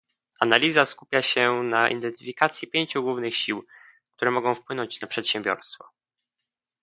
Analiza skupia się na identyfikacji pięciu głównych sił, które mogą wpłynąć na przedsiębiorstwo.